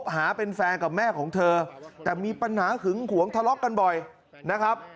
หาเป็นแฟนกับแม่ของเธอแต่มีปัญหาหึงหวงทะเลาะกันบ่อยนะครับ